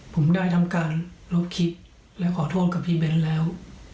ผมได้ทำการลบคิดและขอโทษกับพี่เบ้นแล้ว